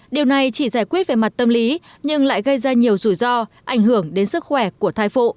điều này chỉ giải quyết về mặt tâm lý nhưng lại gây ra nhiều rủi ro ảnh hưởng đến sức khỏe của thai phụ